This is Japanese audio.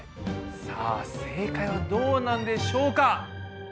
さあ正解はどうなんでしょうか？